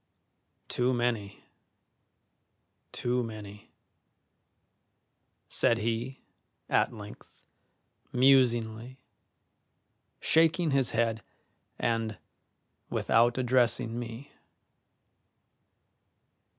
"Too many, too many," said he, at length, musingly, shaking his head and without addressing me.